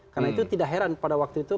karena itu tidak heran pada waktu itu